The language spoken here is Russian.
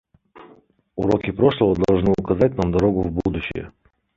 Уроки прошлого должны указать нам дорогу в будущее.